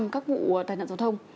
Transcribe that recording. các vụ tài nạn giao thông